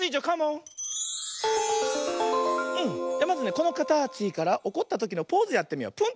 まずねこのかたちからおこったときのポーズやってみよう。